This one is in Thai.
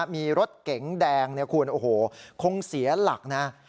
มีรถเก๋งแดงคุณโอ้โหคงเสียหลักนะ